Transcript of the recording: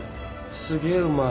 すげえうまい。